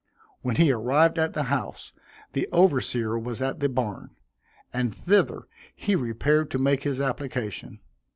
When he arrived at the house, the overseer was at the barn, and thither he repaired to make his application.